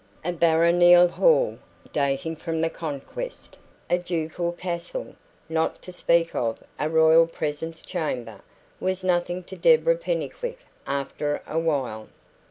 A baronial hall, dating from the Conquest a ducal castle, not to speak of a Royal Presence Chamber was nothing to Deborah Pennycuick after a while.